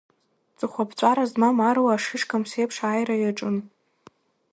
Ҵыхәаԥҵәара змам аруаа ашышкамс еиԥш ааира иаҿын.